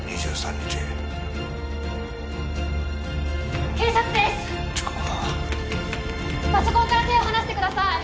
時刻はパソコンから手を離してください！